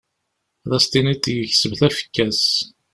Ad as-tiniḍ yekseb tafekka-s.